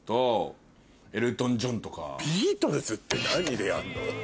ビートルズって何でやるの？